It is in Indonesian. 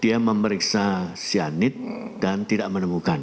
dia memeriksa cyanida dan tidak menemukan